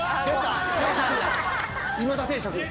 今田定食。